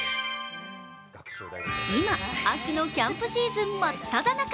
今、秋のキャンプシーズン真っただ中。